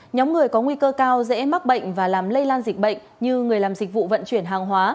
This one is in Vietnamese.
nhóm người có nguy cơ cao dễ mắc bệnh và làm lây lan dịch bệnh như người làm dịch vụ vận chuyển hàng hóa